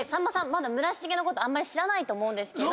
まだ村重のことあんまり知らないと思うんです。